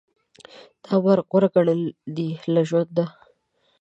دا مرګ غوره ګڼل دي له ژوند